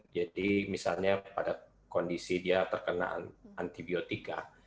jadi misalnya pada kondisi dia terkena antibiotika